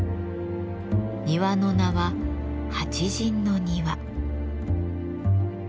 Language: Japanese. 庭の名は「八陣の庭」。